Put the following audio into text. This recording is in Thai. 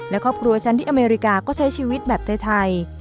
และครอบครัวฉันที่อเมริกาก็ใช้ชีวิตแบบไทย